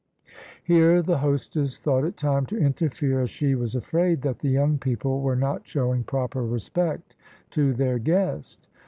Here the hostess thought it time to interfere, as she was afraid that the young people were not showing proper respect to their guest.